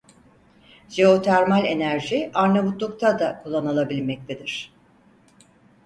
Jeotermal enerji Arnavutluk'ta da kullanılabilmektedir.